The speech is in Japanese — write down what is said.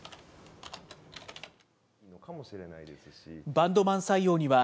バンドマン採用には、